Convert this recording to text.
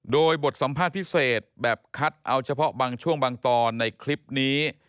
โดยบทสัมภาษณ์พิเศษแบบคัดเอาเฉพาะบางช่วงบางตอนในคลิปนี้